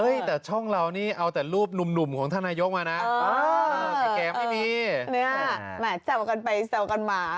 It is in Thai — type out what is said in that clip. อ๋อเออแต่ช่องเรานี่เอาแต่รูปหนุ่มหนุ่มของธนายกมานะเออแก่แก่ไม่มีเนี่ยมาเจากันไปเซวกันมา